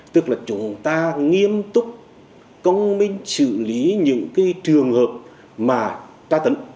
tức là chúng ta nghiêm túc công minh xử lý những cái trường hợp mà tra tấn